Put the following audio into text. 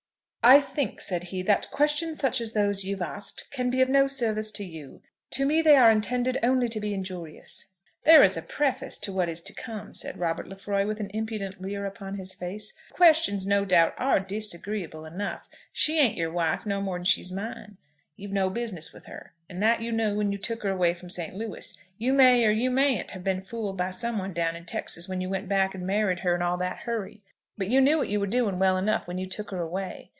"I think," said he, "that questions such as those you've asked can be of no service to you. To me they are intended only to be injurious." "They're as a preface to what is to come," said Robert Lefroy, with an impudent leer upon his face. "The questions, no doubt, are disagreeable enough. She ain't your wife no more than she's mine. You've no business with her; and that you knew when you took her away from St. Louis. You may, or you mayn't, have been fooled by some one down in Texas when you went back and married her in all that hurry. But you knew what you were doing well enough when you took her away.